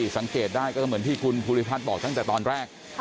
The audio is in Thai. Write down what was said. สังเกตได้ก็เหมือนที่คุณภูริพัฒน์บอกตั้งแต่ตอนแรก